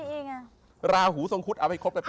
เราราหูทรงคุศเอาให้ครบไป